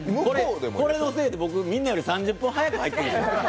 これのせいでみんなより３０分早く入ってる。